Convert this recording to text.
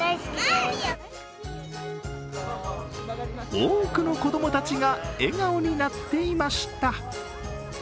多くの子供たちが笑顔になっていました。